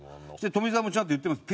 富澤もちゃんと言ってます。